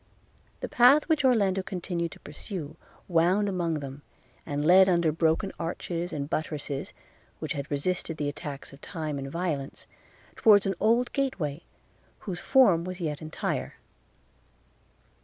The path which Orlando continued to pursue, wound among them, and led under broken arches and buttresses, which had resisted the attacks of time and of violence, towards an old gateway, whose form was yet entire.